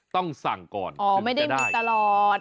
ต้องสั่งก่อนอ๋อไม่ได้มีตลอด